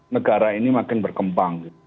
negara ini makin berkembang